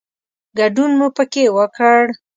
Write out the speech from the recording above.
ګډون مو پکې وکړ.